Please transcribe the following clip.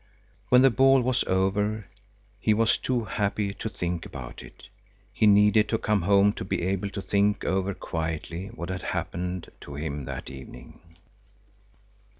When the ball was over, he was too happy to think about it. He needed to come home to be able to think over quietly what had happened to him that evening.